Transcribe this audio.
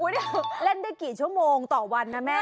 นี่เล่นได้กี่ชั่วโมงต่อวันนะแม่